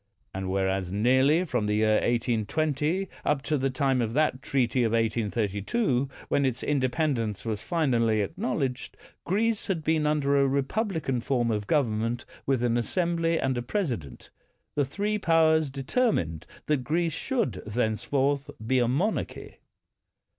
And whereas nearly from the year 1820 up to the time of that treaty of 1832, when its independ ence was finally acknowledged, Greece had been under a republican form of government, with an assembly and a president, the three powers de termined that Greece should thenceforth be a monarchy.